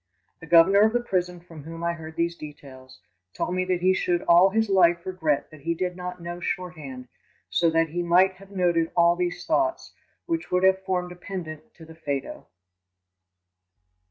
The governor of the prison from whom I heard these details, told me that he should all his life regret that he did not know shorthand, so that he might have noted all these thoughts, which would have formed a pendant to the Phaedo.